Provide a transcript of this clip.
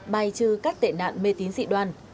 bài trừ các tệ nạn mê tín dị đoan